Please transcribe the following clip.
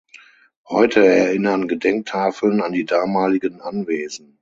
Heute erinnern Gedenktafeln an die damaligen Anwesen.